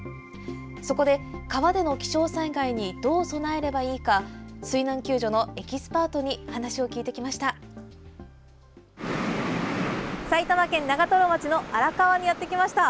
そこで川での気象災害にどう備えればいいか、水難救助のエキスパートに話を聞いてきました。